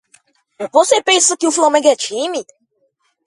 Você pensa que o flamengo é time?